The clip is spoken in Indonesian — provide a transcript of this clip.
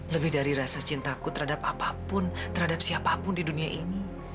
lebih dari rasa cintaku terhadap apapun terhadap siapapun di dunia ini